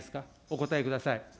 お答えください。